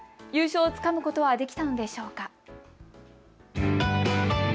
優勝をつかむことはできたのでしょうか。